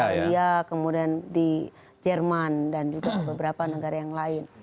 di india kemudian di jerman dan juga beberapa negara yang lain